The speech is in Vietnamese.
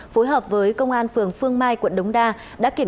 phối hợp với công an phường phương mai quận đống đa kiểm